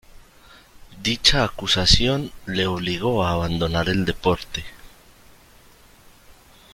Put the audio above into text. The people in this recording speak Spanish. Dicha acusación le obligó a abandonar el deporte.